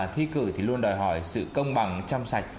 thi cử thì luôn đòi hỏi sự công bằng chăm sạch